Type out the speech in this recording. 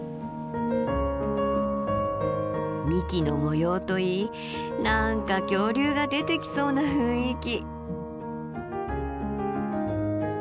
幹の模様といい何か恐竜が出てきそうな雰囲気。